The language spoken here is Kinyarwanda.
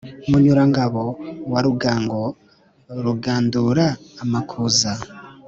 Munyurangabo wa Rugango, rugandura amakuza,